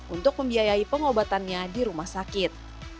untuk membiayai pengobatannya di rumah sakit